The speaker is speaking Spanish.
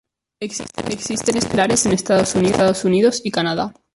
Existen especies similares en Estados Unidos y Canadá.